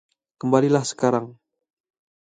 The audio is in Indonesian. Kembalilah sekarang.